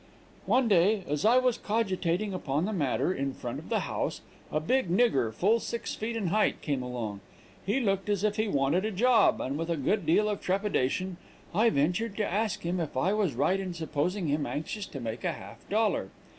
"One day, as I was cogitating upon the matter in front of the house, a big nigger, full six feet in height, came along. He looked as if he wanted a job, and with a good deal of trepidation, I ventured to ask him if I was right in supposing him anxious to make a half dollar.